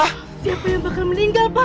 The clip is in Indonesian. siapa yang bakal meninggal pa